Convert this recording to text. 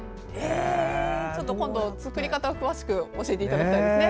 今度、作り方を詳しく教えていただきたいですね。